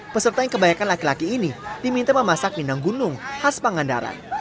peserta yang kebanyakan laki laki ini diminta memasak pindang gunung khas pangandaran